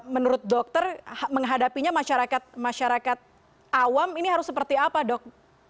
menurut dokter menghadapinya masyarakat awam ini harus seperti apa dok